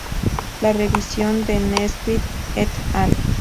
La revisión de Nesbitt "et al.